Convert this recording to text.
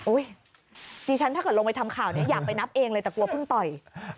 ดิฉันถ้าเกิดลงไปทำข่าวนี้อยากไปนับเองเลยแต่กลัวเพิ่งต่อย